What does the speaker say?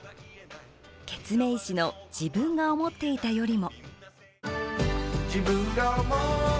ケツメイシの「自分が思っていたよりも」。